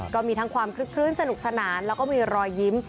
ก็มีทั้งความคลึกคลื้นสนุกสนานแล้วก็มีรอยยิ้ม